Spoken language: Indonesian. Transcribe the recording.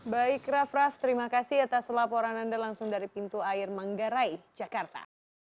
baik raff raff terima kasih atas laporan anda langsung dari pintu air manggarai jakarta